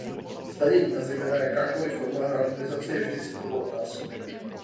Zdanění a zejména jakákoli forma harmonizace je vždy citlivou otázkou.